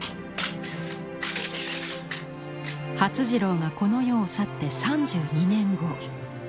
發次郎がこの世を去って３２年後。